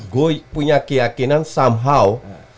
gue punya keyakinan somehow